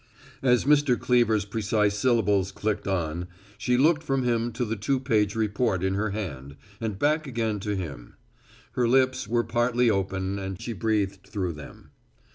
As Mr. Cleever's precise syllables clicked on, she looked from him to the two page report in her hand, and back again to him. Her lips were partly open and she breathed through them.